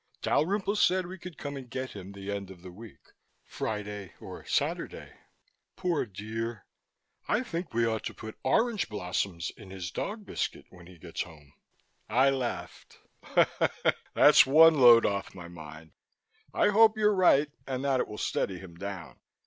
Dalrymple said we could come and get him the end of the week Friday or Saturday. Poor dear. I think we ought to put orange blossoms in his dog biscuit when he gets home." I laughed. "That's one load off my mind. I hope you're right and that it will steady him down.